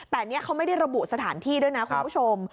แต่นี่เขาไม่ได้ระบุสถานที่ด้วยนะคุณผู้ชม